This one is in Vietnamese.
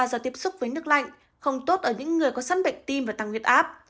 do tiếp xúc với nước lạnh không tốt ở những người có sẵn bệnh tim và tăng huyết áp